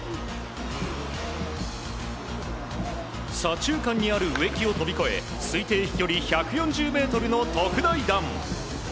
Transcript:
左中間にある植木を飛び越え推定飛距離１４０ｍの特大弾。